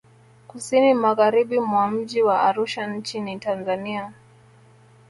Kusini Magharibi mwa mji wa Arusha nchi ni Tanzania